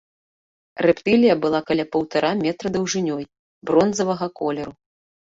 Рэптылія была каля паўтара метра даўжынёй, бронзавага колеру.